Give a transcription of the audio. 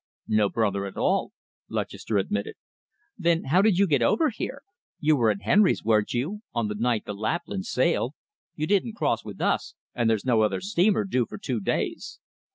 "No brother at all," Lutchester admitted. "Then, how did you get over here? You were at Henry's weren't you, on the night the Lapland sailed? You didn't cross with us, and there's no other steamer due for two days."